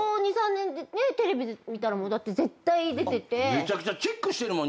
めちゃくちゃチェックしてるもん